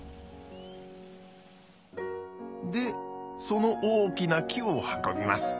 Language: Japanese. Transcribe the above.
でその大きな木を運びます。